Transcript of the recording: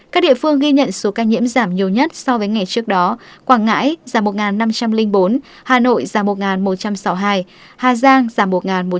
các địa phương ghi nhận số ca nhiễm giảm nhiều nhất so với ngày trước đó quảng ngãi giảm một năm trăm linh bốn hà nội giảm một một trăm sáu mươi hai hà giang giảm một một trăm linh